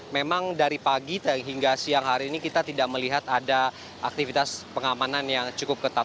memang dari pagi hingga siang hari ini kita tidak melihat ada aktivitas pengamanan yang cukup ketat